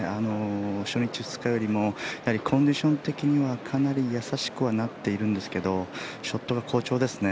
初日、２日よりもコンディション的にはかなり易しくはなっているんですけどショットが好調ですね。